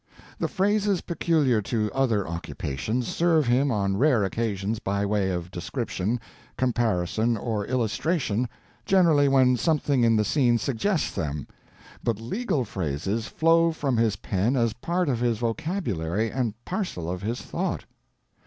The phrases peculiar to other occupations serve him on rare occasions by way of description, comparison, or illustration, generally when something in the scene suggests them, but legal phrases flow from his pen as part of his vocabulary and parcel of his thought.